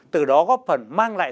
từ đó góp phần mang lại